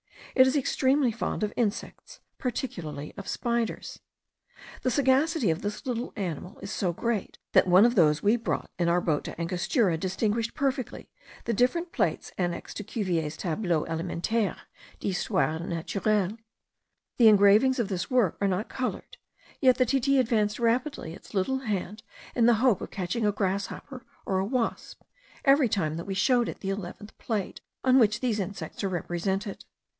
It is extremely fond of insects, particularly of spiders. The sagacity of this little animal is so great, that one of those we brought in our boat to Angostura distinguished perfectly the different plates annexed to Cuvier's Tableau elementaire d'Histoire naturelle. The engravings of this work are not coloured; yet the titi advanced rapidly its little hand in the hope of catching a grasshopper or a wasp, every time that we showed it the eleventh plate, on which these insects are represented.